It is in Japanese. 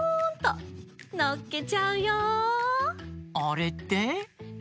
あれって？